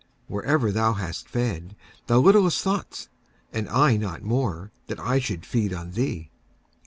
Wherever thou hast fed, thou little thought'st, And I not more, that I should feed on thee.